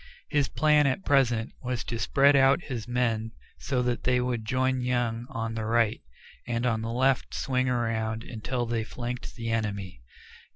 His plan, at present, was to spread out his men so that they would join Young on the right, and on the left swing around until they flanked the enemy.